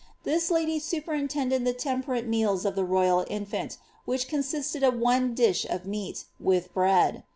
This lady superintended the temperate meals of the royal infant, which consisted of one dish of meat, with bread.